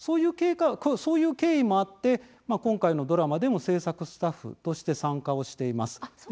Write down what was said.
そういう経緯もあって今回のドラマでも制作スタッフとして参加をしています。